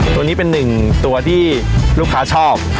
ตัวนี้เป็นหนึ่งตัวที่ลูกค้าชอบ